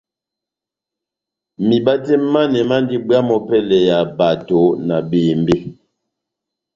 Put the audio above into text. Miba tɛh manɛ mandi bwamh opɛlɛ ya bato na bembe.